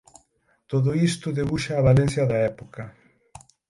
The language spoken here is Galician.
Todo isto debuxa a Valencia da época.